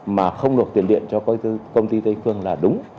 mà không được tiền điện cho công ty tây phương là đúng